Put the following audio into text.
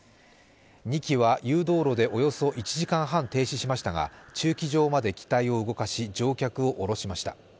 ２機は誘導路でおよそ１時間半停止しましたが、駐機場まで機体を動かし乗客を降ろしました。